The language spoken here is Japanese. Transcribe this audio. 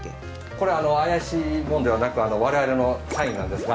これ怪しいもんではなく我々の社員なんですが。